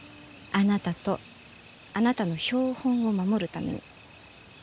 あなたとあなたの標本を守るために。